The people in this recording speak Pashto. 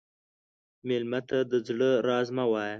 مېلمه ته د زړه راز مه وایه.